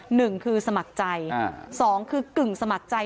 หนึ่งคือสมัครใจอ่าสองคือกึ่งสมัครใจ